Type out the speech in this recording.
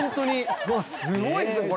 うわすごいですよこれ。